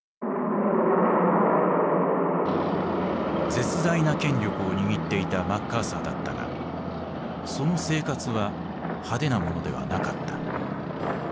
絶大な権力を握っていたマッカーサーだったがその生活は派手なものではなかった。